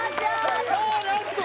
さあラスト